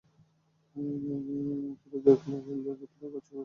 তোরে দ্যাক্লে কইল্জার ভিতরে খাচুর-খুচুর করে।